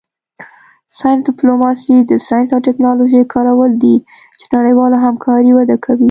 ساینس ډیپلوماسي د ساینس او ټیکنالوژۍ کارول دي چې نړیواله همکاري وده کوي